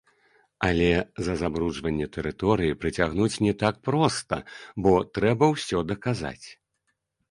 Але за забруджванне тэрыторыі прыцягнуць не так проста, бо трэба ўсё даказаць.